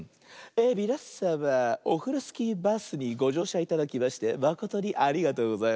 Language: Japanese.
みなさまオフロスキーバスにごじょうしゃいただきましてまことにありがとうございます。